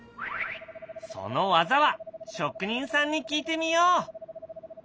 その技は職人さんに聞いてみよう！